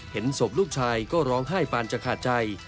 เห็นศพลูกชายก็ร้องไห้ปานจะขาดใจ